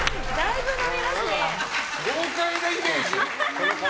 豪快なイメージ？